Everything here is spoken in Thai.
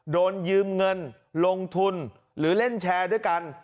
โดนยืมเงินลงทุนหรือเล่นแชร์ด้วยกัน